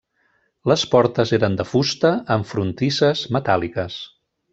Les portes eren de fusta amb frontisses metàl·liques.